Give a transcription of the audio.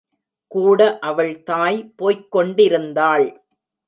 கூட அவள் தாய் போய்க் கொண்டிருந்தாள்.